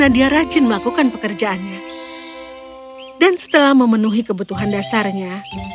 dan setelah memenuhi kebutuhan dasarnya